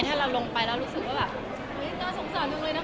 ถ้าเราลงไปแล้วรู้สึกว่าแบบ